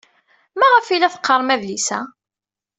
Maɣef ay la teqqarem adlis-a?